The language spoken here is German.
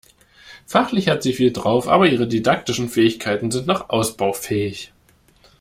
Fachlich hat sie viel drauf, aber ihre didaktischen Fähigkeiten sind noch ausbaufähig.